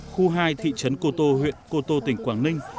khu hai thị trấn cô tô huyện cô tô tỉnh quảng ninh